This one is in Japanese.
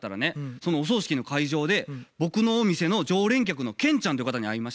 そのお葬式の会場で僕のお店の常連客のケンちゃんっていう方に会いましてね。